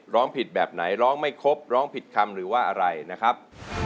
ร้องผิดแบบไหนร้องไม่ครบร้องผิดคำหรือว่าอะไรนะครับ